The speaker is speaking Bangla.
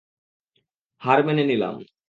হার মেনে নিলাম।